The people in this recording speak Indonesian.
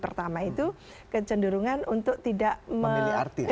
pertama itu kecenderungan untuk tidak memilih